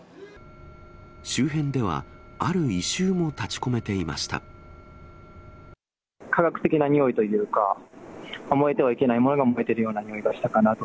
周辺では、化学的な臭いというか、燃えてはいけないものが燃えてるような臭いがしたかなと。